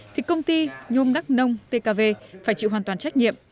thì công ty nhôm đắk nông tkv phải chịu hoàn toàn trách nhiệm